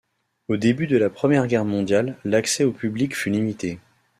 Au début de la Première Guerre mondiale, l'accès au public fut limité.